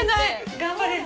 頑張れ。